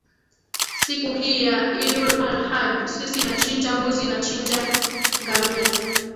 siku hii ya iddul al haj sisi nachinja mbuzi nachinja ngamia